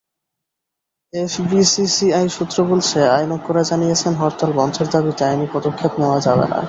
FBCCI সূত্র বলছে, আইনজ্ঞরা জানিয়েছেন, হরতাল বন্ধের দাবিতে আইনি পদক্ষেপ নেওয়া যাবে না।